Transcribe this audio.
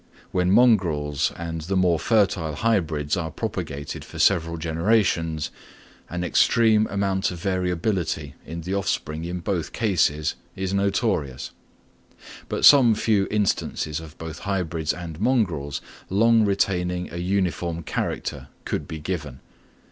When mongrels and the more fertile hybrids are propagated for several generations, an extreme amount of variability in the offspring in both cases is notorious; but some few instances of both hybrids and mongrels long retaining a uniform character could be given.